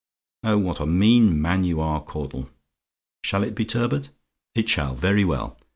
Oh, what a mean man you are, Caudle! Shall it be turbot? "IT SHALL? "Very well.